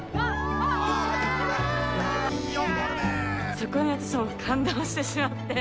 そこに私ほんと感動してしまって。